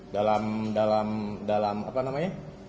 dalam dalam apa namanya